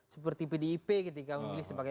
seperti pdip ketika memilih sebagai